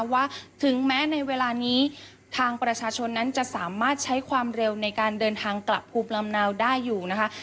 ว่าถึงแม้ในเวลานี้ทางประชาชนนั้นจะสามารถใช้ความเร็วในการเดินทางกลับภูมิลำเนาได้อยู่นะคะ